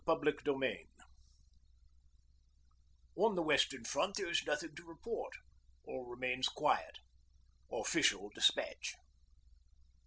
'NOTHING TO REPORT' 'On the Western Front there is nothing to report. All remains quiet.' OFFICIAL DESPATCH.